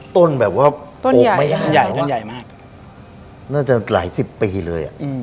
ต้นแบบว่าโอ๊คไม่ได้เหรอครับต้นใหญ่มากน่าจะหลายสิบปีเลย